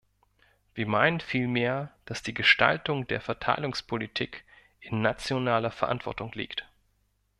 Wir meinen vielmehr, dass die Gestaltung der Verteilungspolitik in nationaler Verantwortung liegt.